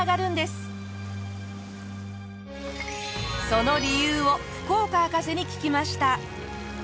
その理由を福岡博士に聞きました。